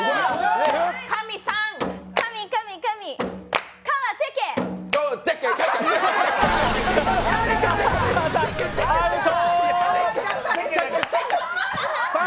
川島さん、アウト。